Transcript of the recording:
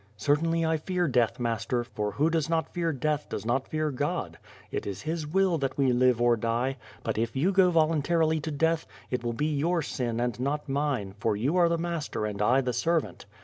"Certainly I fear death, master, for who does not fear death, does not fear God. It is His Will that we live or die; but if you go voluntarily to death, it will be your sin and not mine, for you are the master and 1 the servant.